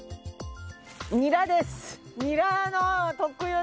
ニラです。